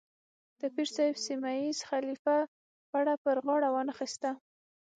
د پیر صاحب سیمه ییز خلیفه پړه پر غاړه وانه اخیسته.